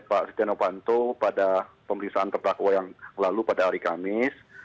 pak stiano vanto pada pemeriksaan tertakwa yang lalu pada hari kamis